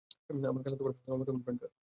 আমার খালাতো-মামাতো বোন ব্যাংকার।